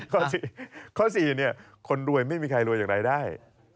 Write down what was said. ข้อ๔คือคนรวยไม่มีใครรวยจากรายได้